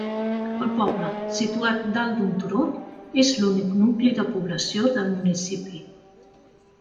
El poble, situat dalt d'un turó, és l'únic nucli de població del municipi.